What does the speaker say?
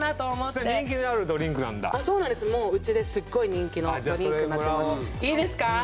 もううちですっごい人気のドリンクになってますああじゃあそれもらおういいですか？